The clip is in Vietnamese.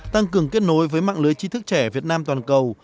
tăng cường kết nối với mạng lưới chí thức trẻ việt nam toàn cầu